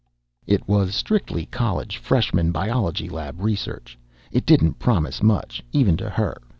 It was strictly college freshman biology lab research. It didn't promise much, even to her.